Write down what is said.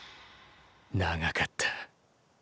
長かった。